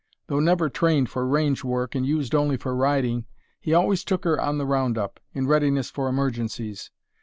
Though never trained for range work and used only for riding, he always took her on the round up, in readiness for emergencies.